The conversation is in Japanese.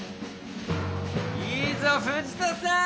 いいぞ藤田さん！